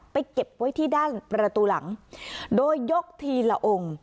เก็บไว้ที่ด้านประตูหลังโดยยกทีละองค์